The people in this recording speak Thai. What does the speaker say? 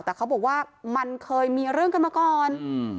แต่เขาบอกว่ามันเคยมีเรื่องกันมาก่อนอืม